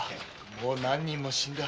もう何人も死んだ。